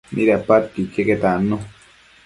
Midapadquio iqueque tannu